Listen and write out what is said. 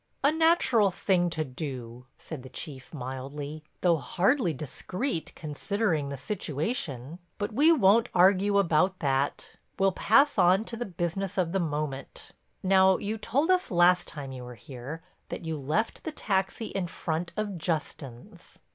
"A natural thing to do," said the Chief mildly, "though hardly discreet considering the situation. But we won't argue about that—we'll pass on to the business of the moment. Now you told us last time you were here that you left the taxi in front of Justin's.